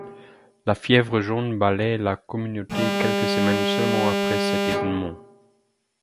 La fièvre jaune balaie la communauté quelques semaines seulement après cet événement.